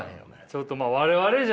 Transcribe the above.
ちょっとまあ我々じゃね。